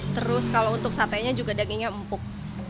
terus kalau untuk satenya juga dagingnya empuk